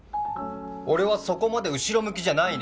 俺はそこまで後ろ向きじゃないね。